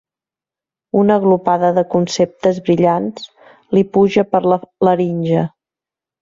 Una glopada de conceptes brillants li puja per la laringe.